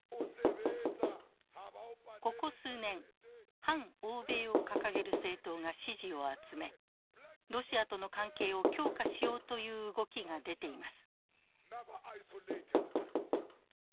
ここ数年反欧米を掲げる政党が支持を集めロシアとの関係を強化しようという動きが出ています。